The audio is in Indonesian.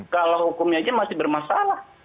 kalau hukumnya aja masih bermasalah